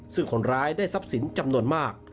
ซึ่งคนร้ายได้ทรัพย์สินจำนวนมาก